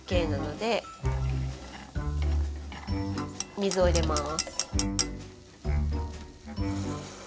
水を入れます。